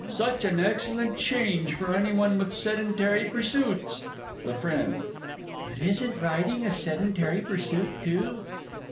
Such an excellent change for any one with sedentary pursuits! THE FRIEND. But isn't riding a sedentary pursuit, too?